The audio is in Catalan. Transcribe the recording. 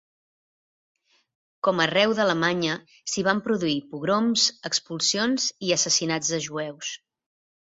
Com a arreu d’Alemanya, s'hi van produir pogroms, expulsions i assassinats de jueus.